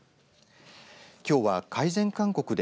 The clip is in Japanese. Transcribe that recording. きょうは、改善勧告で